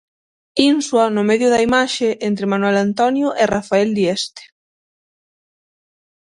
'Ínsua' no medio da imaxe, entre Manoel Antonio e Rafael Dieste.